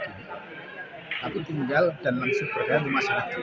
tapi tinggal dan langsung berdaya ke masyarakat